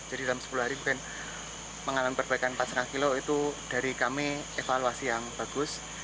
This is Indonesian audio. jadi dalam sepuluh hari bukan mengalami perbaikan empat lima kilo itu dari kami evaluasi yang bagus